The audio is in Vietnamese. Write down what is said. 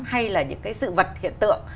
hay là những cái sự vật hiện tượng